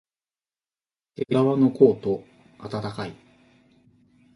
けがわのコート、あたたかい